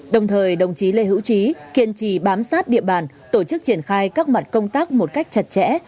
đồng thời đồng chí lê hữu trí kiên trì bám sát địa bàn tổ chức triển khai các mặt công tác một cách chặt chẽ